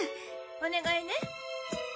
お願いね。